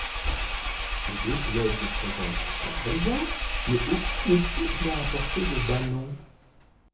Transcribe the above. Les deux clubs de province sont présents mais aucune équipe n'a apporté de ballon.